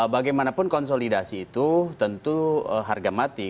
bagaimanapun konsolidasi itu tentu harga mati